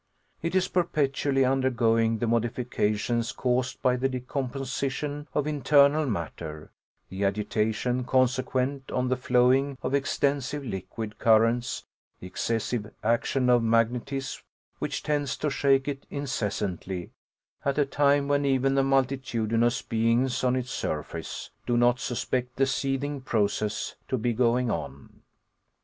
It is perpetually undergoing the modifications caused by the decomposition of internal matter, the agitation consequent on the flowing of extensive liquid currents, the excessive action of magnetism which tends to shake it incessantly, at a time when even the multitudinous beings on its surface do not suspect the seething process to be going on.